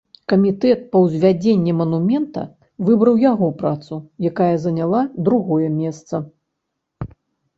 Камітэт па ўзвядзенні манумента выбраў яго працу, якая заняла другое месца.